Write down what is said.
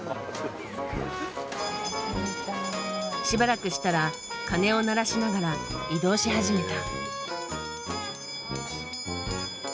しばらくしたら鐘を鳴らしながら移動し始めた。